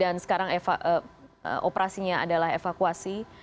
dan sekarang operasinya adalah evakuasi